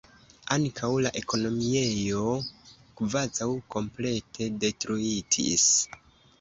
Ankaŭ la ekonomiejo kvazaŭ komplete detruitis.